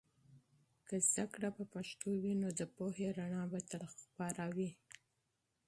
که علم په پښتو وي، نو د پوهې رڼا به تل خپره وي.